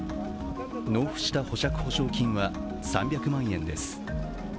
納付した保釈保証金は３００万円です。